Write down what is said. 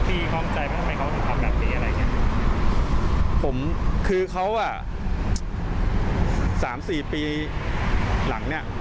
ข้องใจว่าทำไมเขาถึงทำแบบนี้อะไรอย่างเงี้ยผมคือเขาอ่ะสามสี่ปีหลังเนี้ย